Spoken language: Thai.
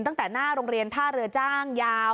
ตั้งแต่หน้าโรงเรียนท่าเรือจ้างยาว